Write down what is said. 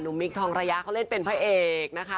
มิคทองระยะเขาเล่นเป็นพระเอกนะคะ